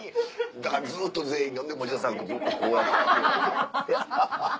だからずっと全員ほんで持田さんずっとこうやって。